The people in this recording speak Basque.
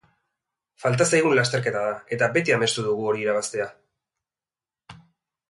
Falta zaigun lasterketa da, eta beti amestu dugu hori irabaztea.